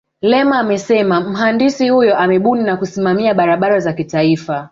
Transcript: lema amesema mhandisi huyo amebuni na kusimamia barabara za kitaifa